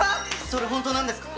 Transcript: それ本当なんですか？